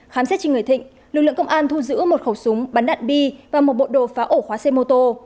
khám xét trên người thịnh lực lượng công an thu giữ một khẩu súng bắn đạn bi và một bộ đồ pháo ổ khóa xe mô tô